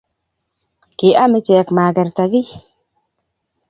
Kiam ichek magerta kiy